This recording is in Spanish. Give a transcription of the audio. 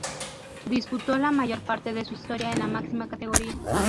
Disputó la mayor parte de su historia en la máxima categoría.